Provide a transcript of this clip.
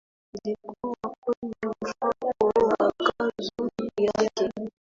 ilikuwa kwenye mfuko wa kanzu yake